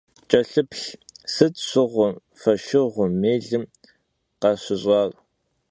Ç'elhıplh, sıt şşığum, foşşığum, mêlım khaşış'ar?